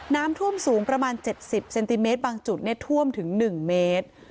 น้ำท่วมสูงประมาณเจ็ดสิบเซนติเมตรบางจุดเนี่ยท่วมถึงหนึ่งเมตร